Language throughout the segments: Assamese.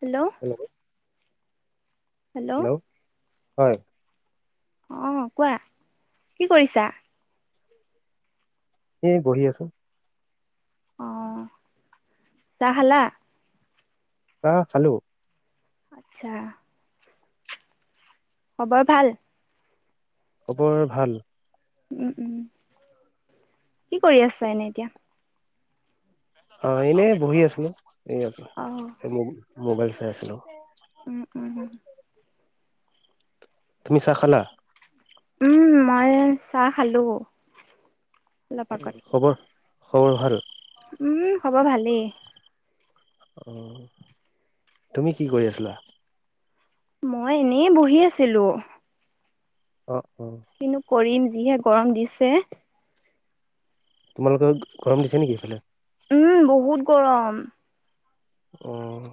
হেল্ল' হেল্ল' হয় অ কোৱা কি কৰিছা এ বহি আছো অ চাহ খালা আহ চালো আচ্ছা হ'বৰ ভাল খবৰ ভাল উম উম কি কৰি আছা এনেই এতিয়া অ এনেই বহি আছিলোয় অঁ মগল চাই আছিলো [inaudible] তুমি চাহ খালা মই চাহ খালোঁ অলপ খবৰ খবৰ ভাৰ উম হ'ব ভালেই অ তুমি কি কৰি আছিলা মই এনেই বহি আছিলো অ অ কিন্তু কৰিম যিহে গৰম দিছে তোমালোকে গৰম দিছে নেকি এইফালে উম বহুত গৰম আহ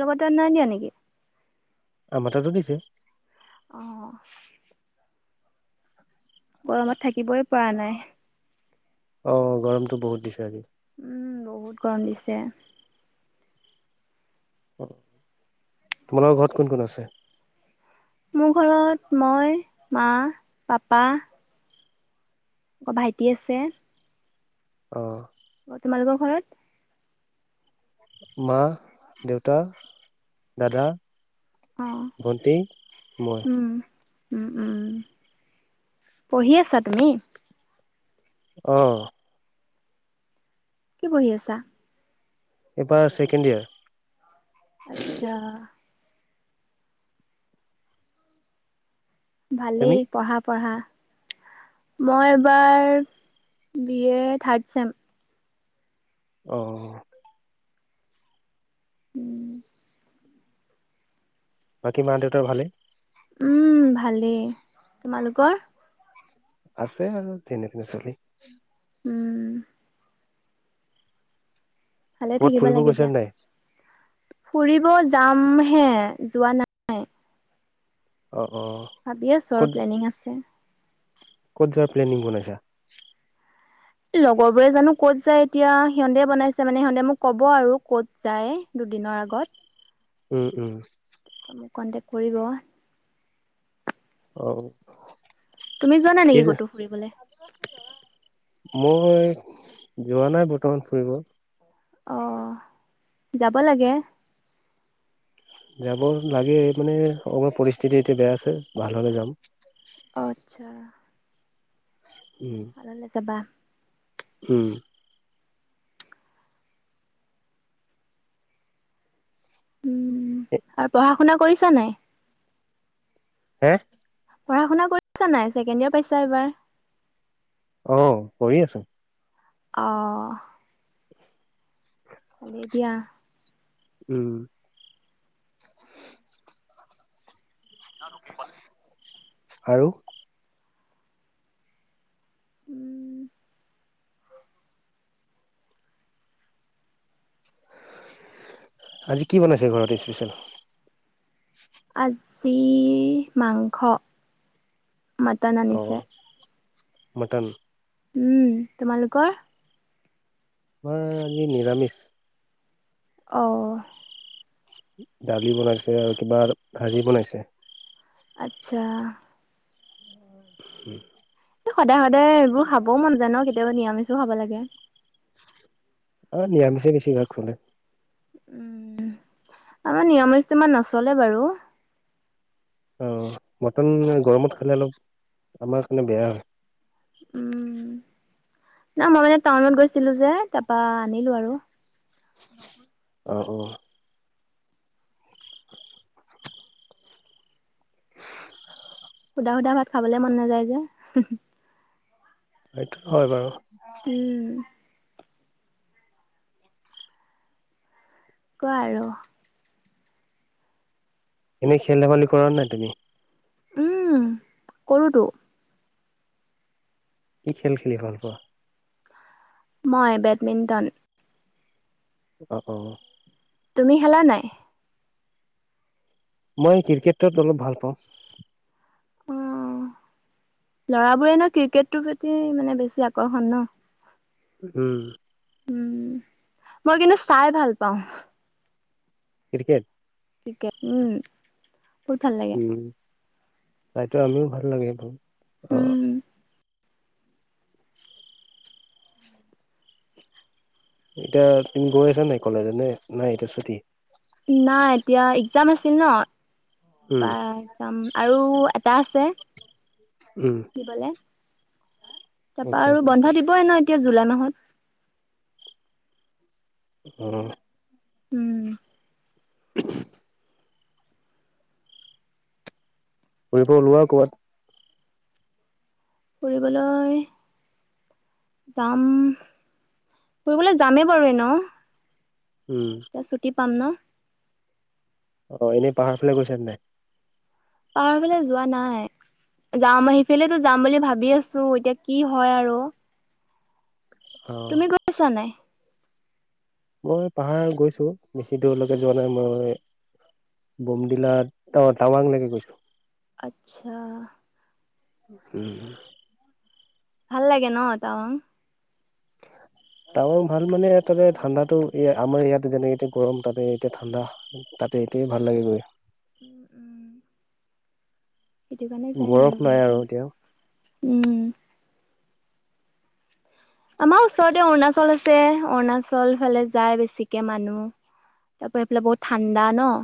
লগত নাই দিয়া নেকি? আ মাথাটো দিছে। আহ, গৰমত থাকিবই পৰা নাই অ গৰমতো বহুত দিছে আজি উম বহুত গৰম দিছে। তোমালোকৰ ঘৰত কোন কোন আছে? মোৰ ঘৰত মই মা পাপা আ ভাইটি আছে অ, অ তোমালোকৰ ঘৰত মা দেউতা দাদা। অ ভণ্টি মই, উম পঢ়ি আছা তুমি? আহ। কি বহি আছা? ইপ চেকেণ্ড ইয়াৰ, আচ্ছা। ভালেই তুমি পঢ়া পঢ়া, মই এইবাৰ বি এ থাৰ্ড ছেম। অ। উম। বাকী মা দেউতাৰ ভালে? উম ভালেই। তোমালোকৰ? আছে আৰু তেনেকেই চলি। উম। ভালে ক'ৰবাত থাকিব ফুৰিব লাগে গৈছা দিয়া। নাই ফুৰিব, যাম হে যোৱা নাই। অ অ, ভাবি আছো আৰু ক'ত প্লেনিং আছে ক'ত যোৱাৰ প্লেনিং বনাইছা? লগৰ বোৰে জানো ক'ত যায় এতিয়া, সিহতে বনাইছে মানে সিহঁতে মোক ক'ব আৰু ক'ত যায়। দিনৰ আগত। উম উম। তাৰ মোক কণ্টেক্ট কৰিব। অ। তুমি যোৱানাই কি নেকি ক'তো ফুৰিবলে। মই যোৱা নাই বৰ্তমান ফুৰিব। অ, যাব লাগে। যাব লাগে মানে অকমান পৰিস্থিতি এতিয়া বেয়া আছে, ভাল হলে যাম। আতচ্ছা। উম উম। উম। আৰু পঢ়া শুনা কৰিছা নাই? হে? পঢ়া শুনা কৰিছা নাই? ছেকেণ্ড ইয়ৰ পাইছা এইবাৰ। অ কৰি আছো। অহ। ভালে দিয়া, উম। আৰু? উম। আজি কি বনাইছে ঘৰত স্পেচিয়েল? আজি মাংস, মটন অ আনিছে। মটন? উম। তোমালোকৰ? আজি নিৰামিষ। অঁ। দালি বনাইছে আৰু কিবা ভাজি বনাইছে। আতচ্ছা। হয়। সদায় সদায় এইবোৰ খাবও মন জা ই ন, কেতিয়াবা নিৰামিছেও খাব লাগে। অ নিৰামিছে বেছি ভাগ। [unintelligible] উম। আমাৰ নিৰামিছটো ইমান নচলে বাৰু। অ, মটন গৰমত খালে অলপ আমাৰ কাৰণে বেয়া। উম, ন মই মানে টাউনত গৈছিলো যে, তাপা আনিলো আৰু। অ অ। সুধা সুধা ভাত খাবলে মন নাযায় যে। সেইটো হয় বাৰু। উম। কোৱা আৰু। এনেই খেল ধেমালি কৰা নাই তুমি? উম কৰোতো কি খেল খেলি ভাল পোৱা? মই বেডমিণ্টন। অ অ তুমি খেলা নাই? মই ক্ৰিকেটত অলপ ভাল পাওঁ। অ লৰাবোৰেনো ক্ৰিকেটৰ প্ৰতি মানে বেছি আকৰ্ষণ ন উম উম মই কিন্তু চাই ভাল পাওঁ। ক্ৰিকেট ক্ৰিকেট উম বহুত ভাল লাগে। তাইতো আমিও ভাল লাগে মো উম [inaudible] এতিয়া তুমি গৈ আছা নাই কলেজলে নাই এতিয়া ছুটি নাই এতিয়া এক্সম আছিল ন উম পা এক্সাম আৰু এটা আছে উম দিবলে। তাপা আচ্ছা আৰু বন্ধ দিবইে ন এতিয়া জুলাই মাহত উম উম উম ফুৰিব ওলোৱা কবাত ফুৰিবলৈ যাম ফুৰিবলে যামেই বাৰু এনেও উম এতিয়া ছুটি পাম ন অ এনেই পাহাৰ ফালে গৈছা নাই? পাহাৰ ফালে যোৱা নাই। যাম আহিফালো যাম বুলি ভাবি আছো এতিয়া কি হয় আৰু অ তুমি গৈ আছা নাই? মই পাহাৰ গৈছো বেছি দূৰলৈকে যোৱা নাই মই বমডিলাত অ টাৱাং লকে গৈছো আচ্ছা উম ভাল লাগে ন তাৱং [inaudible] টাৱাং ভাল মানে তাতে ঠাণ্ডাতো আমাৰ ইয়াত যেনেক এতিয়া গৰম তাতে এতিয়া ঠাণ্ডা যে সেইটোৱে ভাল লাগে মোৰ। উম উম সেইটো কাৰণে যায় বৰফ নাই মানুহবিলাকে। আৰু এতিয়া উম আমাৰ ওচৰতে অৰুণাচল আছে অৰুণাচল ফালে যায়। বেছিকে মানুহ তাপা সেইফালে বহুত ঠাণ্ডা ন?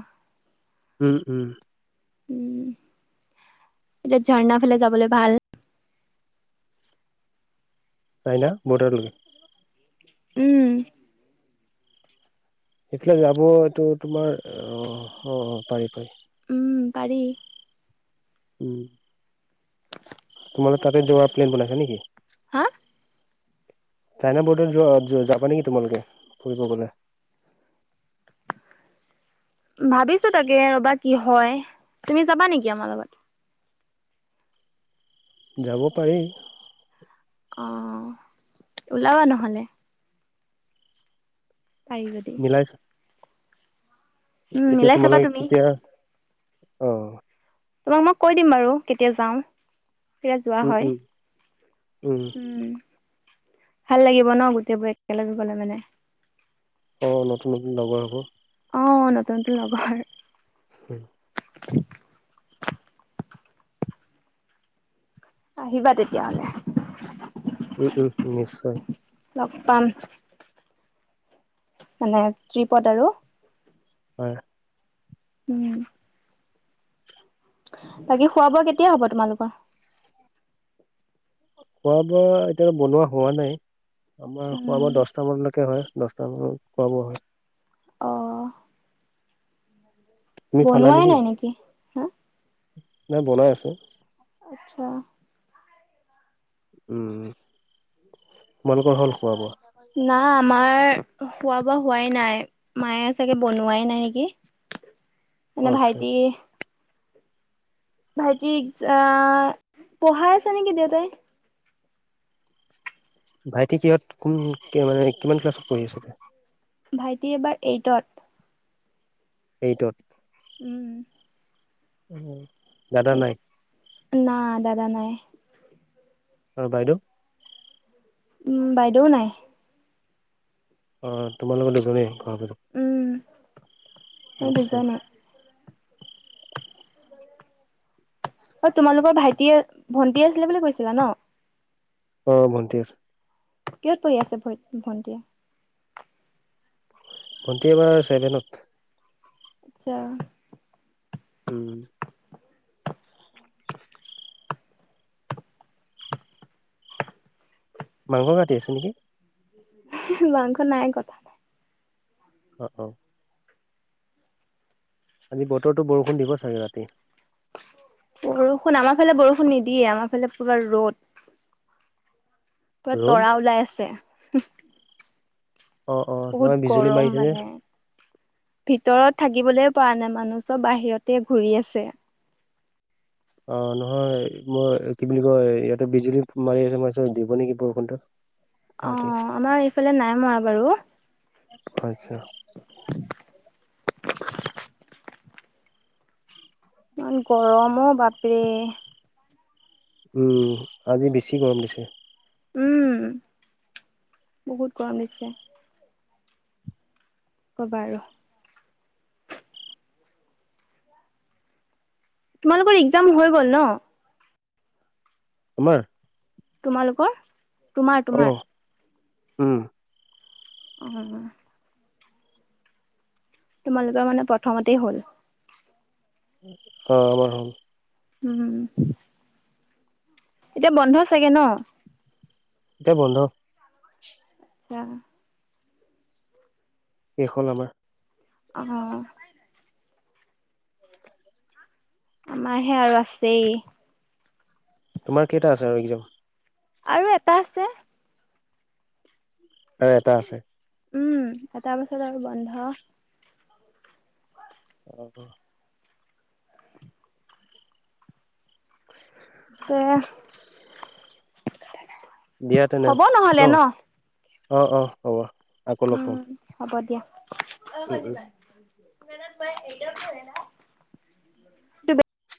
উম উম উম এতিয়া ঝাৰনা ফালে যাবলে ভাল চাইনা বৰৰ্ডাৰ লগে উম সেইফালে যাব এইটো তোমাৰ অ সহ পাৰি পাৰি উম পাৰি উম তোমালোক তাতে যোৱাৰ প্লেন বনাইছা নেকি? হা চাইনা বৰ্ডাৰ যোৱা যাবা নেকি তোমালোকে ফুৰিব গলে [inaudible] ভাবিছো তাকে ৰ'বা কি হয় তুমি যাবা নেকি আমাৰ লগত যাব পাৰি অ ওলাবা নহ'লে পাৰি যদি মিলাই উম এতিয়া মিলাই চাবা তোমালোক তুমি কেতিয়া অ তোমাক মই কৈ দিম বাৰু কেতিয়া যাওঁ কেতিয়া যোৱা উম হয় উম উম ভাল লাগিব ন গোটেইবোৰ একেলগে গলে মানে অ নতুন নতুন লগৰ হ'ব অ নতুন নতুন লগৰ হ [inaudible] আহিবা তেতিয়াহলে উম উম উম নিশ্চয় লগ পাম মানে ট্ৰিপত আৰু হয় উম বাকী খোৱা বোৱা কেতিয়া হ'ব তোমালোকৰ খোৱা বোৱা এতিয়া বনোৱা হোৱা নাই আমাৰ খোৱা উম বোৱা দছটা মানলৈকে কে হয় দছটা মানত খোৱা বোৱা হয় অঁ তুমি খালা বনোৱাই নাই নেকি হা নাই বনাই আছো আচ্ছা উম তোমালোকৰ হল খোৱা বোৱা হোৱা বা হোৱাই নাই মায়ে চাগে বনোৱাই নাই নেকি অ মানে আচ্ছা ভাইটি ভাইটি আ পঢ়াই আছে নেকি দেউতাই ভাইটি কিহঁত কোন কে মানে কিমান ক্লাছত পঢ়ি আছে ভাইটি এবাৰ এইটত এইটত উম উম এইট না দাদা নাই আৰু বাইদেউ উ বাইদেউ নাই অ তোমালোক ফুৰাব যাম উম [unintelligible] অ তোমালোকৰ ভাইটিয়ে ভন্টি আছিলে বুলি কৈছিলা ন অ ভণ্টি আছে কিহত পঢ়ি আছে ভ ভণ্টিয়ে ভণ্টি এবাৰ ছেভেনত আচ্ছা উম মাংস কাটি আছে নেকি মাংস নাই কতা অ অ আজি বতৰটো বৰষুণ দিব চাগে ৰাতি বৰষুণ আমাৰ ফালে বৰষুণ নিদিয়ে আমাৰ ফালে পোৰা ৰ'দ পোৰা ৰ'দ তৰা ওলাই আছে অ অ বহুত নহয় বিজুলী গৰম মাৰিছে যে মানে ভিতৰত থাকি থাকিবলৈ পৰা নাই মানুহ চব বাহিৰতে ঘুৰি আছে অ নহয় মই কি বুলি কয় ইয়াতে বিজুলী মাৰি আছে মই ভাবিছো দিব নেকি বৰষুণটো অ ৰাতি আমাৰ এইফালে নাই মৰা বাৰু আচ্ছা [unintelligible] ইমান গৰমো বাপৰে উম আজি বেছি গৰম দিছে উম বহুত গৰম দিছে কি ক'বা আৰু তোমালোকৰ এক্জাম হৈ গ'ল ন আমাৰ তোমালোকৰ তোমাৰ অ তোমাৰ উম অ তোমালোকৰ মানে প্ৰথমতেই হ'ল আমাৰ হ'ল উম এতিয়া বন্ধ চাগে ন এতিয়া বন্ধ আচ্ছা শেষ হ'ল আমাৰ অঁ [unintelligible] আমাৰহে আৰু আছেই তোমাৰ কেইটা আছে আৰু এক্জাম আৰু এটা আছে আৰু এটা আছে উম এটাৰ পাছত আৰু বন্ধ [unintelligible] [unintelligible] দিয়া তেনে হ'ব ন নহ'লে অ অ হ'ব। আকৌ লগ উম পাম হ'ব দিয়া। উম উম [unintelligible]